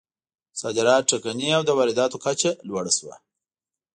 صادرات ټکني او د وارداتو کچه لوړه شوه.